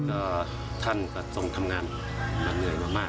ก็ท่านก็ทรงทำงานเหนื่อยมาก